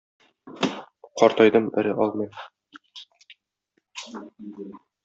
Картайдым, өрә алмыйм.